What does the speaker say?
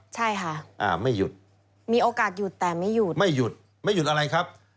ใช่ค่ะอ่าไม่หยุดมีโอกาสหยุดแต่ไม่หยุดไม่หยุดไม่หยุดอะไรครับ